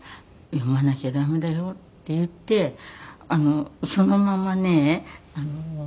「読まなきゃ駄目だよ」って言ってそのままねフーッていう。